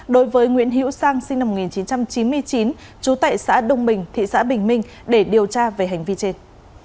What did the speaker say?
đối với nguyễn hữu sang sinh năm một nghìn chín trăm chín mươi chín trú tại xã đông bình thị xã bình minh để điều tra về hành vi trên